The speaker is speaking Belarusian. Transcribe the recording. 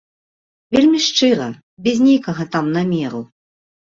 Вельмі шчыра, без нейкага там намеру.